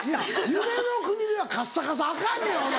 夢の国ではカッサカサアカンねんお前。